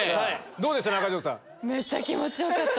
どうでした？